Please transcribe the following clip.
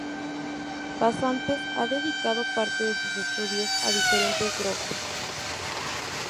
Pasantes ha dedicado parte de sus estudios a diferentes drogas.